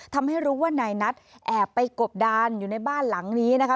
ทำให้รู้ว่านายนัทแอบไปกบดานอยู่ในบ้านหลังนี้นะคะ